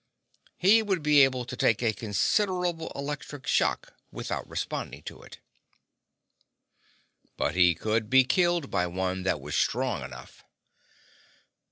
He would be able to take a considerable electric shock without responding to it. But he could be killed by one that was strong enough.